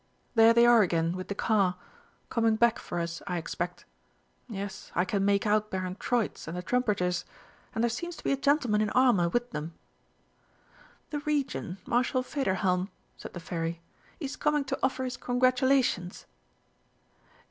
There they are again with the car coming back for us, I expect.... Yes, I can make out Baron Troitz and the trumpeters and there seems to be a gentleman in armour with them." "The Regent, Marshal Federhelm," said the Fairy. "He is coming to offer his congratulations."